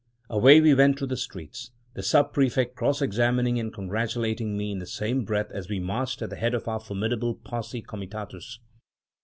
Away we went through the streets, the Sub prefect cross examining and congratulating me in the same breath as we marched at the head of our formidable posse comitatus.